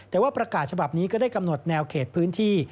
แต่ว่าประกาศฉบับนี้ก็ได้กำหนดแนวเขตพื้นที่